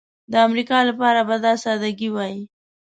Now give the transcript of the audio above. د امریکا لپاره به دا سادګي وای.